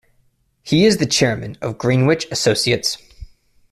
He is the chairman of Greenwich Associates.